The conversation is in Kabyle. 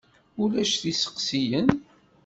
Ulac isteqsiyen?